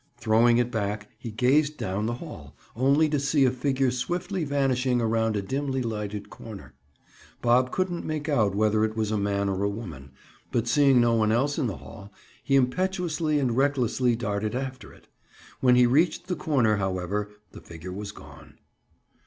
Throwing it back, he gazed down the hall, only to see a figure swiftly vanishing around a dimly lighted corner. Bob couldn't make out whether it was a man or a woman, but seeing no one else in the hall, he impetuously and recklessly darted after it. When he reached the corner, however, the figure was gone.